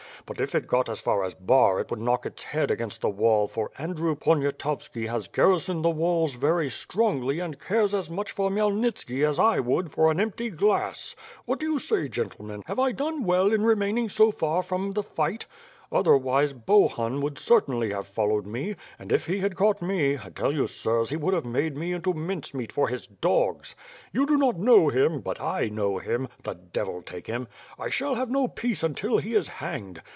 But, if it got as far as Bar it would knock its head against the wall for Andrew Poniatowski has garrisoned the walls very strongly and cares as much for Khmyelnitski as I would for an empty glass. What do you say, gentlemen, have I done well in remaining so far from the fight? Otherwise Bohun would certainly have followed me; and, if he had caught me, I tell you, sirs, he would have made me into mincemeat for his dogs. You do not know him, but I know him, the devil take him! I shall have no peace until he is hanged.